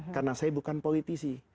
karena saya bukan politisi